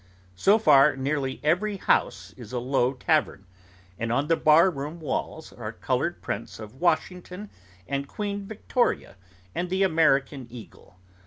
So far, nearly every house is a low tavern; and on the bar room walls, are coloured prints of Washington, and Queen Victoria of England, and the American Eagle.